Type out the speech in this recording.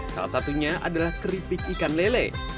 salah satunya adalah keripik ikan lele